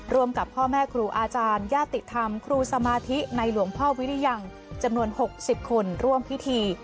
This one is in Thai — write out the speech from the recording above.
กับพ่อแม่ครูอาจารยาติธรรมครูสมาธิในหลวงพ่อวิริยังจำนวน๖๐คนร่วมพิธี